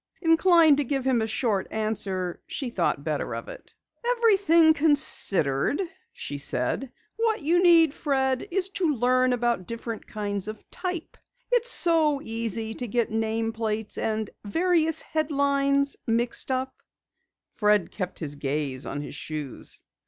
Inclined to give him a short answer, she thought better of it. "Everything considered," she said, "what you need, Fred, is to learn about different kinds of type. It's so easy to get name plates and various headlines mixed!" Fred kept his gaze on his shoes.